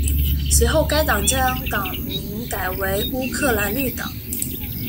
随后该党将党名改为乌克兰绿党。